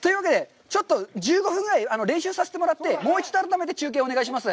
ちょっと１５分ぐらい練習させてもらって、もう一度改めて中継をお願いします。